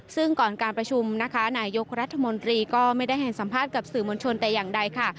ซึ่งก่อนการประชุมนะคะนายยกรัฐมนตรีก็ไม่ได้ให้สัมภาษณ์กับสื่อมวลชนแต่อย่างใดค่ะ